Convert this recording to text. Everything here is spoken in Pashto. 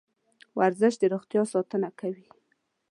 ورزش د روغتیا ساتنه کوي.